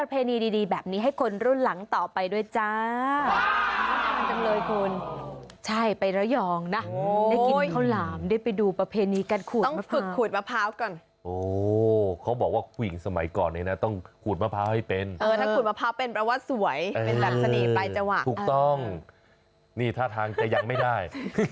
เป็นแบบสนิทใบเจาะเออถูกต้องนี่ท่าทางจะยังไม่ได้